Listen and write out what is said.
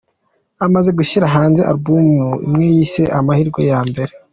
Amaze gushyira hanze album imwe yise ‘Amahirwe ya Mbere’.